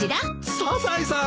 サザエさん！